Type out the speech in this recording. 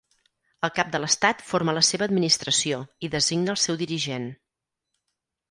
El cap de l'estat forma la seva Administració i designa el seu dirigent.